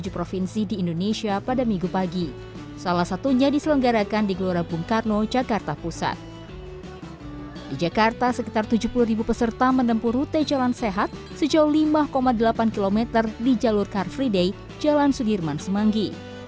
peserta menempuh rute jalan sehat sejauh lima delapan km di jalur karfriday jalan sudirman semanggi